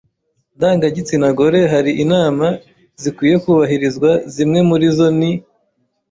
ndangagitsina gore hari inama zikwiye kubahirizwa Zimwe muri zo ni